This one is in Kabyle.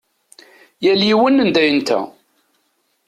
Yal yiwen anda yenta.